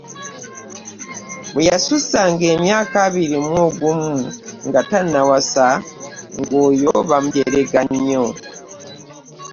Bwe yasussanga emyaka abiri mu gumu nga tannawasa ng’oyo bamujerega nnyo.